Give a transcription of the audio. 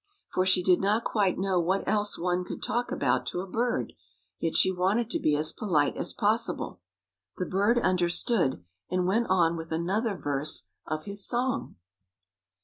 For she did not quite know what else one could talk about to a bird, yet she wanted to be as polite as possible. The bird understood, and went on with another verse of his song.